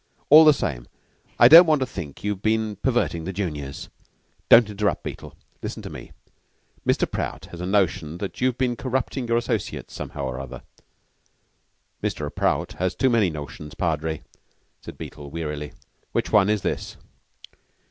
All the same, I don't want to think you've been perverting the juniors. Don't interrupt, Beetle. Listen to me. Mr. Prout has a notion that you have been corrupting your associates somehow or other." "Mr. Prout has so many notions, Padre," said Beetle wearily. "Which one is this?"